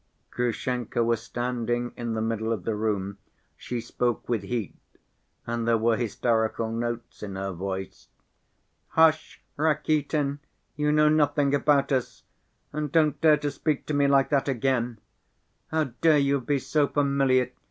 Grushenka was standing in the middle of the room; she spoke with heat and there were hysterical notes in her voice. "Hush, Rakitin, you know nothing about us! And don't dare to speak to me like that again. How dare you be so familiar!